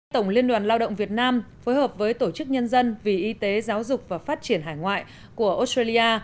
tổng liên đoàn lao động việt nam phối hợp với tổ chức nhân dân vì y tế giáo dục và phát triển hải ngoại của australia